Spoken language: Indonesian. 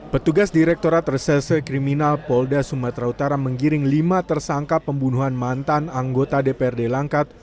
petugas direkturat resese kriminal polda sumatera utara menggiring lima tersangka pembunuhan mantan anggota dprd langkat